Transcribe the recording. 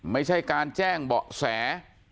ไม่ใช่การแจ้งเบาะแส